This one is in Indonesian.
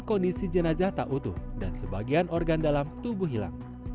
kondisi jenazah tak utuh dan sebagian organ dalam tubuh hilang